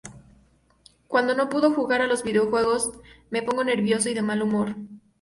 Cuando no puedo jugar a los videojuegos, me pongo nervioso y de mal humor.